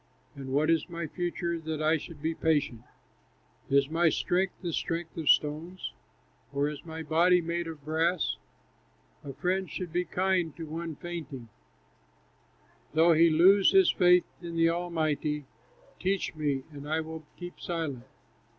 And what is my future, that I should be patient? Is my strength the strength of stones, Or is my body made of brass? A friend should be kind to one fainting, Though he lose his faith in the Almighty. Teach me, and I will keep silent.